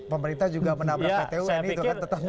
pemerintah juga menabrak pt un